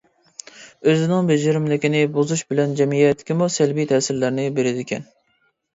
ئۆزىنىڭ بېجىرىملىكىنى بۇزۇش بىلەن جەمئىيەتكىمۇ سەلبىي تەسىرلەرنى بېرىدىكەن.